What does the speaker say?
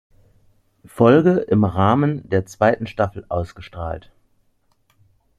Folge im Rahmen der zweiten Staffel ausgestrahlt.